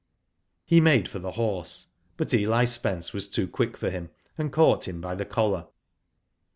He made for the horse ; but Eli Spence was too quick for him, and caught him by the collar.